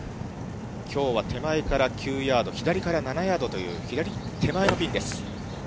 きょうは手前から９ヤード、左から７ヤードという、左手前のピンです。